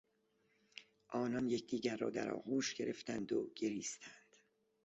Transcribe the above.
آنان یکدیگر را در آغوش گرفتند و گریستند.